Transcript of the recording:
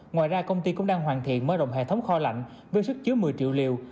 ngoài ra công ty cũng đang hoàn thiện mở rộng hệ thống kho lạnh với sức chứa một mươi triệu liều